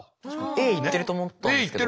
Ａいってると思ったんですけど。